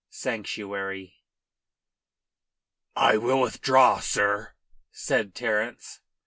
SANCTUARY "I will withdraw, sir," said Terence.